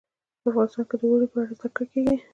افغانستان کې د اوړي په اړه زده کړه کېږي.